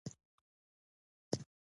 تر هغه وروسته يې يوه ډېره مهمه پريکړه وکړه.